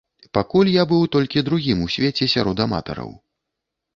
Пакуль я быў толькі другім у свеце сярод аматараў.